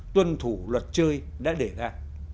tuân thủ luật chơi đã để ra